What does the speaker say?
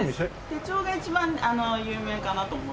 手帳が一番有名かなと思うんですけど。